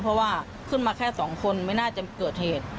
เพราะว่าขึ้นมาแค่สองคนไม่น่าจะเกิดเหตุ